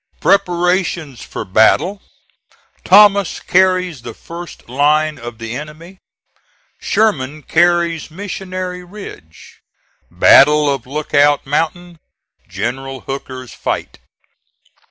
PREPARATIONS FOR BATTLE THOMAS CARRIES THE FIRST LINE OF THE ENEMY SHERMAN CARRIES MISSIONARY RIDGE BATTLE OF LOOKOUT MOUNTAIN GENERAL HOOKER'S FIGHT.